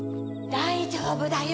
大丈夫だよ！